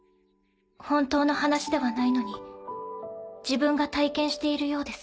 本当の話ではないのに自分が体験しているようです。